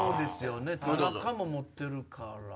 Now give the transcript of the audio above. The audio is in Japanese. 田中も持ってるから。